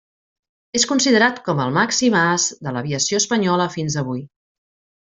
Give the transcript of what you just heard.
És considerat com el màxim as de l'aviació espanyola fins avui.